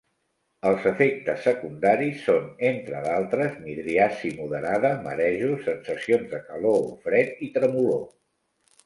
Els efectes secundaris són, entre d'altres, midriasi moderada, marejos, sensacions de calor o fred i tremolor.